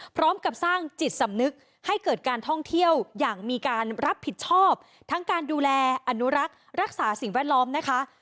พร้อมกับสร้างจิตสำนึกให้เกิดการท่องเที่ยวอย่างมีการรับผิดชอบทั้งการดูแลอนุรักษ์รักษาสิ่งแวดล้อมนะคะ